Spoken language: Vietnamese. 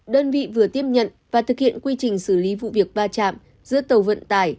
đơn vị vừa tiếp nhận và thực hiện quy trình xử lý vụ việc va chạm giữa tàu vận tải